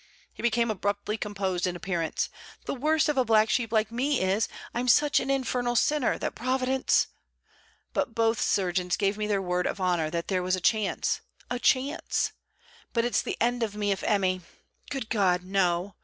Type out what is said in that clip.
He became abruptly composed in appearance. 'The worst of a black sheep like me is, I'm such an infernal sinner, that Providence!... But both surgeons gave me their word of honour that there was a chance. A chance! But it's the end of me if Emmy.... Good God! no!